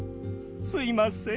すいません。